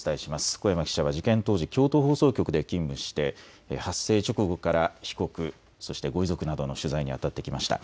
小山記者は事件当時、京都放送局で勤務して発生直後から被告、そしてご遺族などの取材にあたってきました。